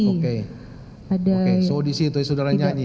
oke so disitu ya saudara nyanyi ya